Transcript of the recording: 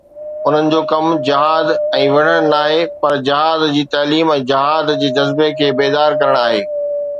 انهن جو ڪم جهاد ۽ وڙهڻ ناهي، پر جهاد جي تعليم ۽ جهاد جي جذبي کي بيدار ڪرڻ آهي.